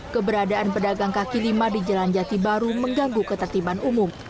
keberadaan pedagang kaki lima di jalan jati baru mengganggu ketertiban umum